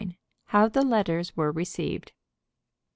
HOW THE LETTERS WERE RECEIVED.